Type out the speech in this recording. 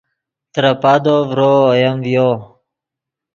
ترے پادو ڤرو اوئیم ڤیو